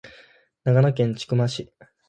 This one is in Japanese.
長野県千曲市